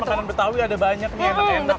makanan betawi ada banyak nih enak enak